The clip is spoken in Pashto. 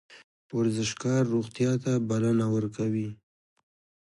ورزشکار روغتیا ته بلنه ورکوي